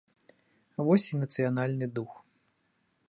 Вось і нацыянальны дух.